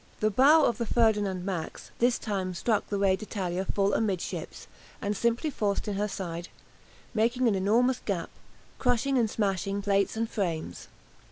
The bow of the "Ferdinand Max" this time struck the "Re d'Italia" full amidships, and simply forced in her side, making an enormous gap, crushing and smashing plates and frames.